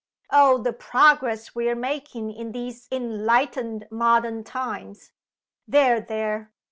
Oh, the progress we are making in these enlightened modern times! There! there!